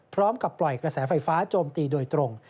พร้อมกับปล่อยกระแสไฟฟ้าโจมตีโดยตรง